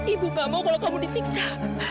ibu pak mau kalau kamu disiksa